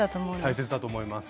大切だと思います。